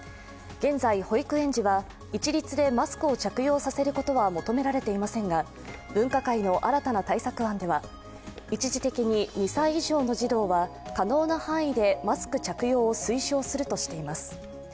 現在、保育園児は一律でマスクを着用することは求められていませんが分科会の新たな対策案では、一時的に２歳以上の児童は可能な範囲でマスク着用を推奨するとしています。